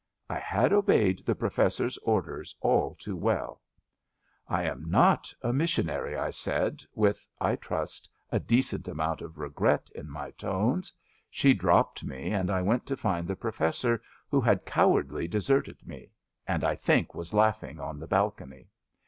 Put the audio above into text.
" I had obeyed the Professor's orders all too well. CHAUTAUQUAED 175 I am not a missionary, '* I said, with, I trust, a decent amonnt of regret in my tones. She dropped me and I went to find the Professor, who had cowardly deserted me, and I think was langhing on the balcony.